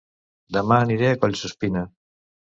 Dema aniré a Collsuspina